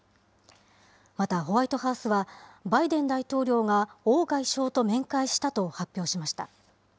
またホワイトハウスは、バイデン大統領が王外相と面会したと発表しました。